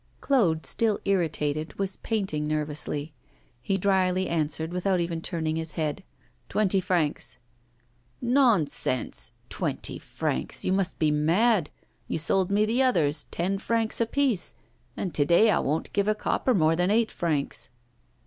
Claude, still irritated, was painting nervously. He dryly answered, without even turning his head: 'Twenty francs.' 'Nonsense; twenty francs! you must be mad. You sold me the others ten francs a piece and to day I won't give a copper more than eight francs.